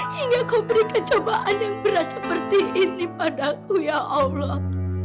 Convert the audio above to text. hingga kau beri kecobaan yang berat seperti ini padaku ya allah